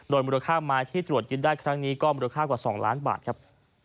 มูลค่าไม้ที่ตรวจยึดได้ครั้งนี้ก็มูลค่ากว่า๒ล้านบาทครับ